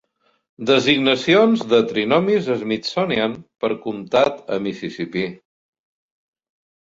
Designacions de trinomis Smithsonian per comptat a Mississipí.